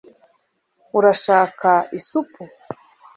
urashaka isupu